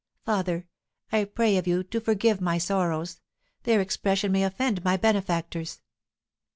"Father, I pray of you forgive my sorrows; their expression may offend my benefactors."